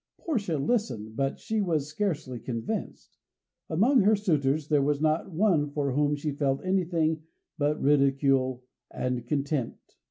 Portia listened, but she was scarcely convinced. Among her suitors there was not one for whom she felt anything but ridicule or contempt.